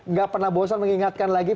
nggak pernah bosan mengingatkan lagi